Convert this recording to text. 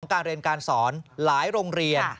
การเรียนการสอนหลายโรงเรียน